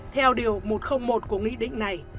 theo điều một trăm linh một của nghị định này